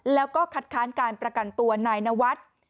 แล้วก็คัดค้านการประกันตัวนายนวัฒน์